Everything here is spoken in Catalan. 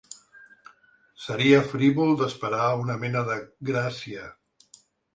Seria frívol d’esperar una mena de “gràcia”.